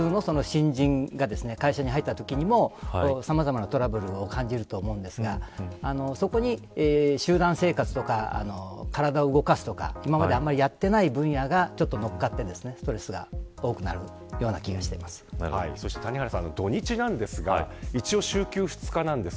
ただ、おそらく自衛隊だけではなくて普通の新人が会社に入ったときにもさまざまなトラブルを感じると思うんですがそこに集団生活とか体を動かすとか、今まであんまりやっていない分野がのっかって、ストレスが谷原さん、土日なんですが一応、週休２日なんです。